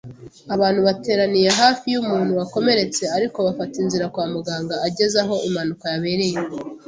Abantu bateraniye hafi y’umuntu wakomeretse, ariko bafata inzira kwa muganga ageze aho impanuka yabereye